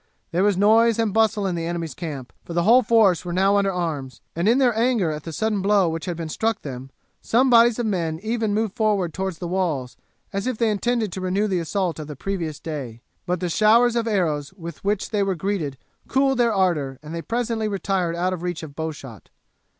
There was noise and bustle in the enemy's camp, for the whole force were now under arms, and in their anger at the sudden blow which had been struck them some bodies of men even moved forward towards the walls as if they intended to renew the assault of the previous day; but the showers of arrows with which they were greeted cooled their ardour and they presently retired out of reach of bowshot.